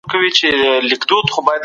ايا ته د خپلي ټولني په فرهنګي غنا خبر يې؟